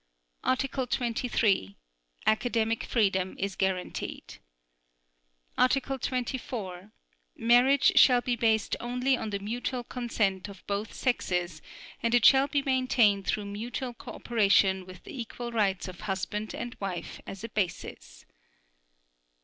Article 23. Academic freedom is guaranteed. Article 24. Marriage shall be based only on the mutual consent of both sexes and it shall be maintained through mutual cooperation with the equal rights of husband and wife as a basis.